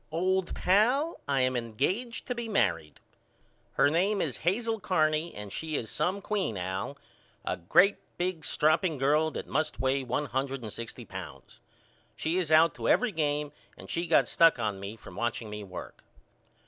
Old pal I am engaged to be married. Her name is Hazel Carney and she is some queen, Al a great big stropping girl that must weigh one hundred and sixty lbs. She is out to every game and she got stuck on me from watching me work.